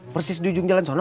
persis di ujung jalan sana